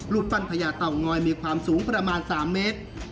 ปั้นพญาเต่างอยมีความสูงประมาณ๓เมตร